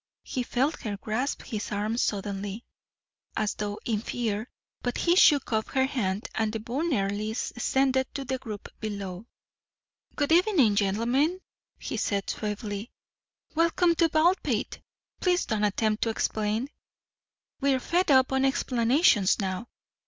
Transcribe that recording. He felt her grasp his arm suddenly, as though in fear, but he shook off her hand and debonairly descended to the group below. "Good evening, gentlemen," he said suavely. "Welcome to Baldpate! Please don't attempt to explain we're fed up on explanations now.